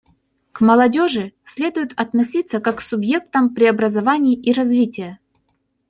К молодежи следует относиться как к субъектам преобразований и развития.